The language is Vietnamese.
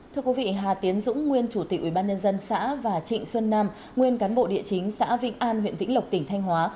thưa quý vị hà tiến dũng nguyên chủ tịch ubnd xã và trịnh xuân nam nguyên cán bộ địa chính xã vĩnh an huyện vĩnh lộc tỉnh thanh hóa